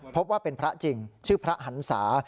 พบว่าเป็นพระจริงชื่อพระหันศา